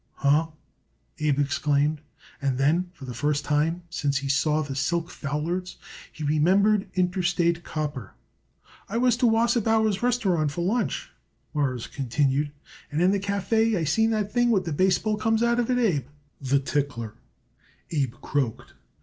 "Huh?" Abe exclaimed, and then, for the first time since he saw the silk foulards, he remembered Interstate Copper. "I was to Wasserbauer's Restaurant for lunch," Morris continued, "and in the café I seen that thing what the baseball comes out of it, Abe." "The tickler," Abe croaked.